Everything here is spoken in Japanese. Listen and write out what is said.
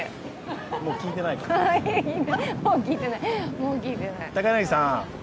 もう聞いてない。